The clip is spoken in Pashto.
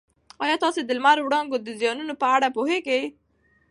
ایا تاسي د لمر د وړانګو د زیانونو په اړه پوهېږئ؟